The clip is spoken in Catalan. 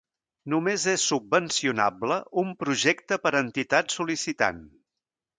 Només és subvencionable un projecte per entitat sol·licitant.